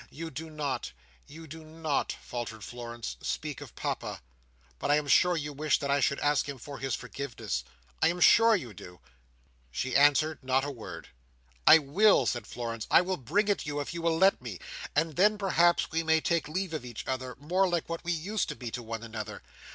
You do not—you do not," faltered Florence, "speak of Papa; but I am sure you wish that I should ask him for his forgiveness. I am sure you do." She answered not a word. "I will!" said Florence. "I will bring it you, if you will let me; and then, perhaps, we may take leave of each other, more like what we used to be to one another.